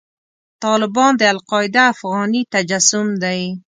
طالبان د القاعده افغاني تجسم دی.